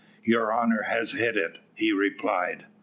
"`Your honour has hit it,' he replied.